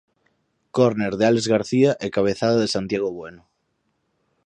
Córner de Álex García e cabezada de Santiago Bueno.